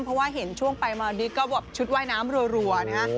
เพราะว่าเห็นช่วงไปมาดิ๊กก็แบบชุดว่ายน้ำรัวนะฮะ